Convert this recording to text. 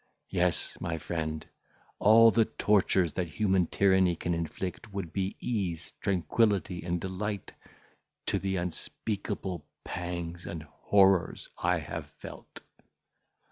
Yes, my friend, all the tortures that human tyranny can inflict would be ease, tranquillity, and delight, to the unspeakable pangs and horrors I have felt.